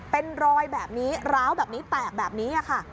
เป็นรอยแบบนี้ร้าวแบบนี้แตกแบบนี้ค่ะ